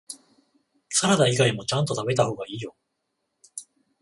サラダ以外もちゃんと食べた方がいいよ